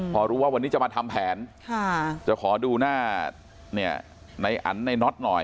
พอรู้ว่าวันนี้จะมาทำแผนจะขอดูหน้าในอันในน็อตหน่อย